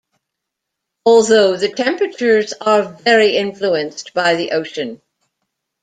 Although the temperatures are very influenced by the ocean.